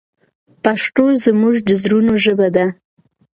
پښتو زموږ د زړونو ژبه ده.